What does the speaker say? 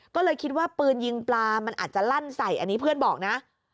ก็เลยคิดว่าปืนยิงปลามันอาจจะลั่นใส่อันนี้เพื่อนบอกนะ